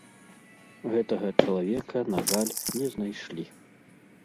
Гэтага чалавека, на жаль, не знайшлі.